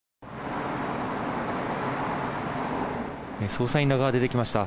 捜査員らが出てきました。